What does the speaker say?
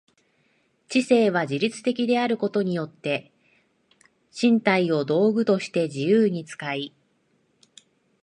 知性は自律的であることによって身体を道具として自由に使い、